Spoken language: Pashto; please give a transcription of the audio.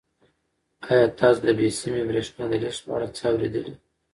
آیا تاسو د بې سیمه بریښنا د لېږد په اړه څه اورېدلي؟